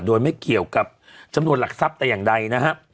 โดยไม่เกี่ยวกับจำนวนหลักทรัพย์แต่อย่างใดนะครับ